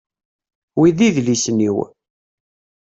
Wi d idlisen-iw.